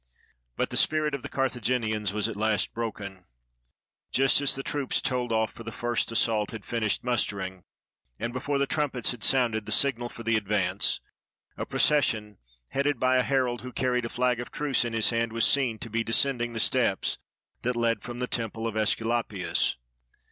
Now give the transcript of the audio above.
But the spirit of the Carthaginians was at last broken. Just as the troops told off for the first assault had finished mustering, and before the trumpets had sounded the signal for the advance, a procession, headed by a herald who carried a flag of truce in his hand, was seen to be de scending the steps that led from the Temple of JEscula, pius.